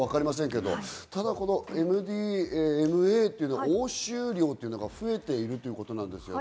ただ、このＭＤＭＡというのは押収量というのが増えているということなんですよね。